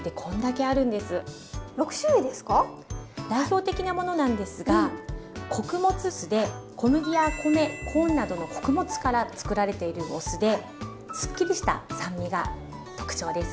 代表的なものなんですが穀物酢で小麦や米コーンなどの穀物からつくられているお酢ですっきりした酸味が特徴です。